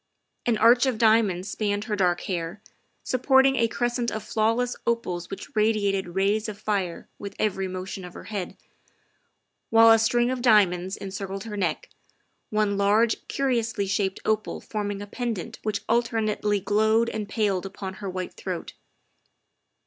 An arch of diamonds spanned her dark hair, supporting a crescent of flawless opals which radi ated rays of fire with every motion of her head, while a string of diamonds encircled her neck, one large, curiously shaped opal forming a pendant which alter nately glowed and paled upon her white throat.